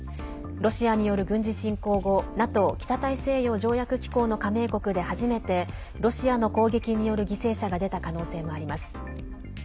ロシアによる軍事侵攻後ＮＡＴＯ＝北大西洋条約機構の加盟国で初めてロシアの攻撃による犠牲者が出た可能性もあります。